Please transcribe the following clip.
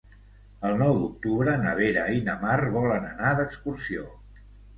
El nou d'octubre na Vera i na Mar volen anar d'excursió.